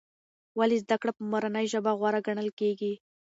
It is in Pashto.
ولې زده کړه په مورنۍ ژبه غوره ګڼل کېږي؟